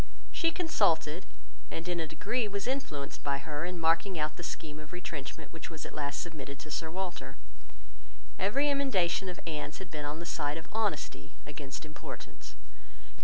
She consulted, and in a degree was influenced by her in marking out the scheme of retrenchment which was at last submitted to Sir Walter. Every emendation of Anne's had been on the side of honesty against importance.